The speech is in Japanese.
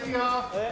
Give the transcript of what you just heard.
・えっ？